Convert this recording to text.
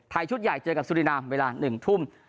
ชุดใหญ่เจอกับสุรินามเวลา๑ทุ่ม